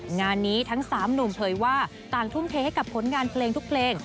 งานนี้ทั้ง๓หนุ่มเผยว่าต่างทุ่มเทให้กับผลงานเพลงทุกเพลง